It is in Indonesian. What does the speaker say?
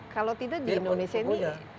kalau tidak di indonesia ini